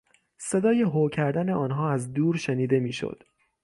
صدای هو کردن آنها از دور شنیده میشد.